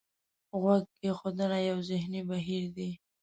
غوږ کېښودنه یو ذهني بهیر دی.